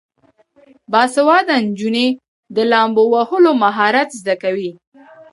باسواده نجونې د لامبو وهلو مهارت زده کوي.